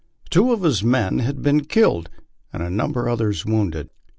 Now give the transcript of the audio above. Two of his men had been killed, and a number of others wounded.